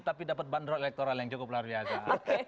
tapi dapat bandrol elektoral yang cukup luar biasa